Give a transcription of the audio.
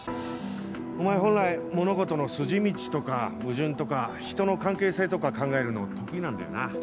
お前本来物事の筋道とか矛盾とか人の関係性とか考えるの得意なんだよな。